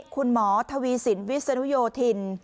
คุณหมอทวีสินวิศนุโยธิน